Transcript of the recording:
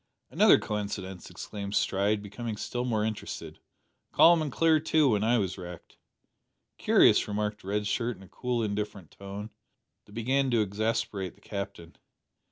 "Another coincidence!" exclaimed Stride, becoming still more interested. "Calm and clear, too, when I was wrecked!" "Curious," remarked Red Shirt in a cool indifferent tone, that began to exasperate the Captain.